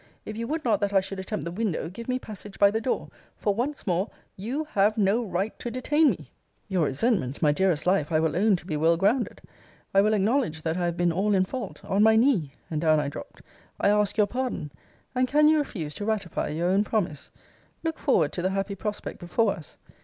If you would not that I should attempt the window, give me passage by the door; for, once more, you have no right to detain me. Your resentments, my dearest life, I will own to be well grounded. I will acknowledge that I have been all in fault. On my knee, [and down I dropt,] I ask your pardon. And can you refuse to ratify your own promise? Look forward to the happy prospect before us.